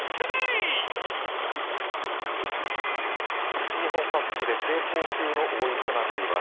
西日本各地で警報級の大雪となっています。